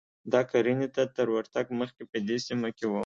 دا کرنې ته تر ورتګ مخکې په دې سیمه کې و